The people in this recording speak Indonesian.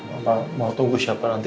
bapak mau tunggu siapa nanti